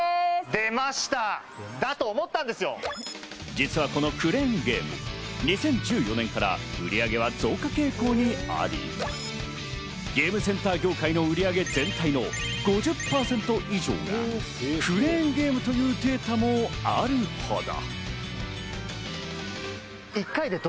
実はこのクレーンゲーム、２０１４年から売上は増加傾向にあり、ゲームセンター業界の売上全体の５０％以上がクレーンゲームというデータもあるほど。